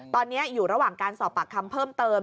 ตอนนี้อยู่ระหว่างการสอบปากคำเพิ่มเติม